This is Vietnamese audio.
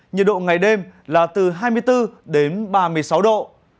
nhiệt độ ngày đêm là từ hai mươi bốn đến ba mươi sáu độ